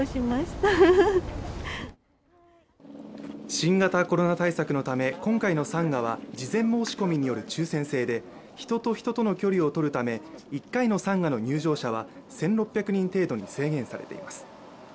新型コロナ対策のため今回の参賀は事前申し込みによる抽選制で人と人との距離をとるため１回の参賀の入場者は１６００人程度に制限されています。